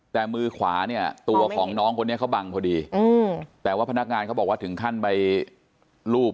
แต่มือขวาเนี่ยตัวของน้องคนนี้เขาบังพอดีแต่ว่าพนักงานเขาบอกว่าถึงขั้นไปลูบ